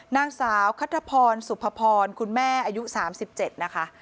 นางสาวคัทธพรสุภพรคุณแม่อายุ๓๗นะคะ